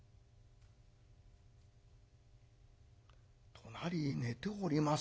隣に寝ております